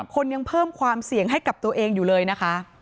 คนยังเพิ่มความเสี่ยงให้กับตัวเองอยู่เลยนะคะ